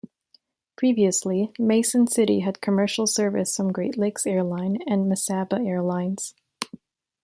Previously, Mason City had commercial service from Great Lakes Airlines and Mesaba Airlines.